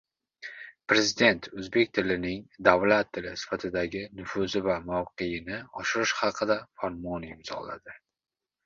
Prezident o‘zbek tilining davlat tili sifatidagi nufuzi va mavqeini oshirish haqida farmon imzoladi